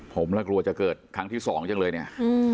ผมแล้วกลัวจะเกิดครั้งที่สองจังเลยเนี่ย